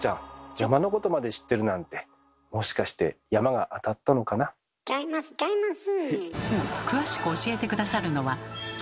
山のことまで知ってるなんてちゃいますちゃいます。